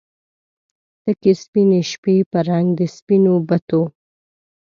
تکې سپینې شپې په رنګ د سپینو بتو